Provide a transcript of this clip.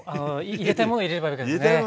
入れたいもの入れればいいんです。